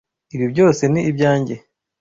Ibi byose ni ibyanjye.